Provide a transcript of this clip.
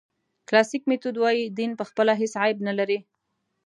کلاسیک میتود وایي دین پخپله هېڅ عیب نه لري.